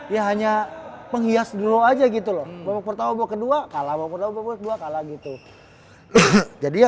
ya hanya penghias dulu aja gitu loh bawa pertama kedua kalau mau berdoa doa kalah gitu jadi ya